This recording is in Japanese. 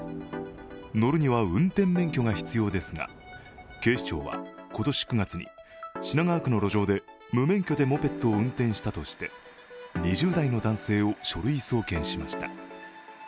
乗るには運転免許が必要ですが、警視庁は今年９月に品川区の路上で無免許でモペットを運転したとして２０代の男性を書類送検しました。